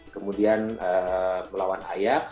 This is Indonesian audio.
kemudian melawan ajax